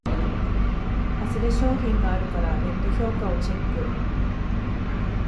ハズレ商品があるからネット評価をチェック